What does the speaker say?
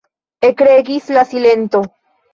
Ekregis la silento.